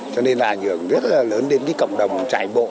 cho nên là nhường rất là lớn đến cộng đồng trải bộ